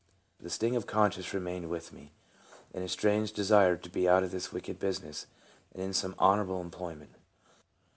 The sting of conscience remained with me, and a strange desire to be out of this wicked business, and in some honorable em ployment.